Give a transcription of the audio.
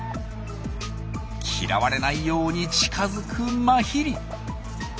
嫌われないように近づくマヒリ。